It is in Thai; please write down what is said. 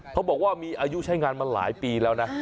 เขาบอกว่ามีอายุใช้งานมาหลายปีแล้วนะ